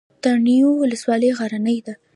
تڼیو ولسوالۍ غرنۍ ده؟